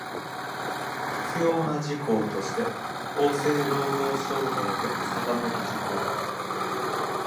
必要な事項として厚生労働省令で定める事項